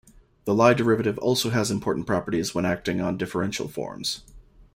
The Lie derivative also has important properties when acting on differential forms.